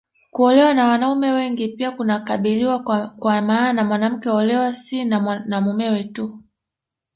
Kuolewa na wanaume wengi pia kunakubaliwa kwa maana mwanamke huolewa si na mumewe tu